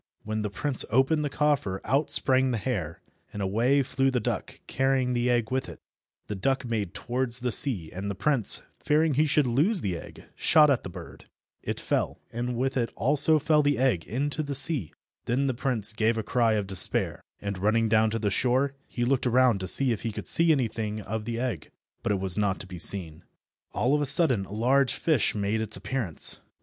When the prince opened the coffer out sprang the hare, and away flew the duck carrying the egg with it. The duck made towards the sea, and the prince, fearing he should lose the egg, shot at the bird. It fell, and with it also fell the egg into the sea. Then the prince gave a cry of despair, and, running down to the shore, he looked around to see if he could see anything of the egg, but it was not to be seen. All of a sudden a large fish made its appearance.